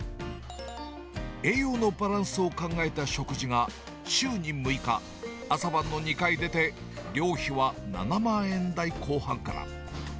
栄養のバランスを考えた食事が、週に６日、朝晩の２回出て、寮費は７万円台後半から。